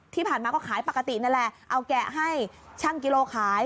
ที่ผ่านมาก็ขายปกตินั่นแหละเอาแกะให้ช่างกิโลขาย